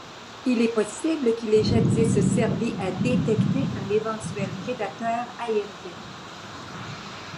Il est possible qu'il ait jadis servi à détecter un éventuel prédateur aérien.